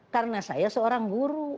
karena saya seorang guru